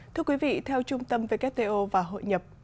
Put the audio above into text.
thưa quý vị theo trung tâm wto và hội nhập